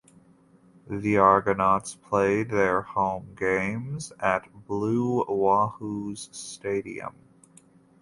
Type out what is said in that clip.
The Argonauts played their home games at Blue Wahoos Stadium.